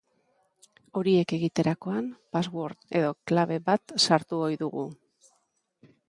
Horiek egiterakoan, password edo klabe bat sartu ohi dugu.